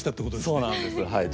そうなんですはい。